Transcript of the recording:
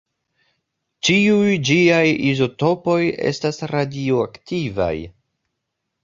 Ĉiuj ĝiaj izotopoj estas radioaktivaj.